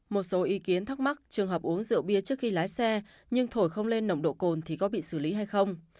một số ý kiến thắc mắc trường hợp uống rượu bia trước khi lái xe nhưng thổi không lên nồng độ cồn thì có bị xử lý hay không